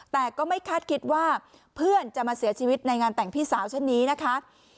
แต่ก็ไม่คาดคิดว่าเพื่อนจะมาเสียชีวิตในงานแต่งพี่สาวเช่นนี้นะคะ